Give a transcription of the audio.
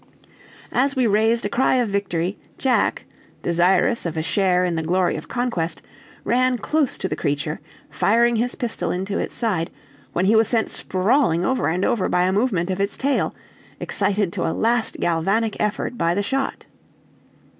As we raised a cry of victory, Jack, desirous of a share in the glory of conquest, ran close to the creature, firing his pistol into its side, when he was sent sprawling over and over by a movement of its tail, excited to a last galvanic effort by the shot.